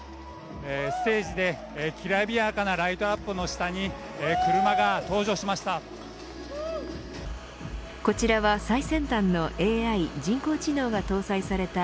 ステージできらびやかなライトアップの下に車が登場しました。